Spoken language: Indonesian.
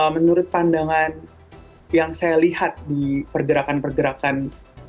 menurut pandangan yang saya lihat di pergerakan pergerakan